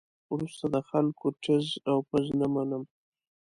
وروسته د خلکو ټز او پز نه منم.